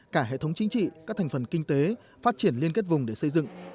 cả hệ thống chính trị các thành phần kinh tế phát triển liên kết vùng để xây dựng